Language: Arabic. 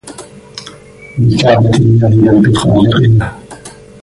بكعبة الله بل بخالقها